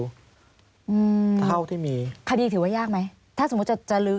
อืมเท่าที่มีคดีถือว่ายากไหมถ้าสมมุติจะจะลื้อ